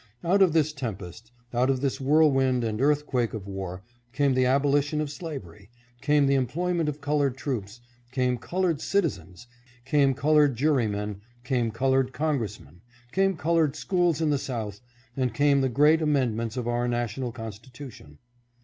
Out of this tempest, out of this whirlwind and earthquake of war, came the abolition of slavery, came the employment of colored troops, came colored citizens, came colored jurymen, came colored congressmen, came colored schools in the South, and came the great amendments of our national constitution.